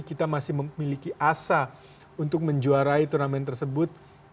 kita masih memiliki asa untuk menjuarai turnamen tersebut